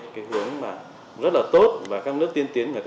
cái hướng rất là tốt và các nước tiên tiến của ta đều có